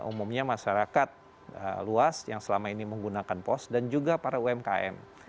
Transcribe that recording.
dan umumnya masyarakat luas yang selama ini menggunakan post dan juga para umkm